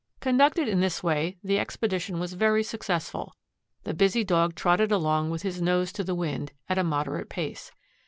Conducted in this way, the expedition was very successful. The busy Dog trotted along with his nose to the wind, at a moderate pace.